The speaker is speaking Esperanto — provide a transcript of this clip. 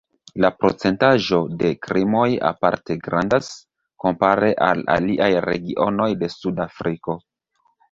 La procentaĵo de krimoj aparte grandas, kompare al aliaj regionoj de Sud-Afriko.